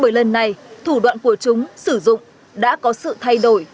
bởi lần này thủ đoạn của chúng sử dụng đã có sự thay đổi